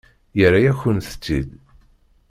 Yerra-yakent-t-id.